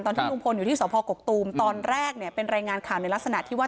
ตอนที่ลุงพลอยู่ที่สพกกตูมตอนแรกเนี่ยเป็นรายงานข่าวในลักษณะที่ว่า